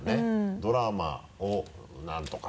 ドラマを何とか。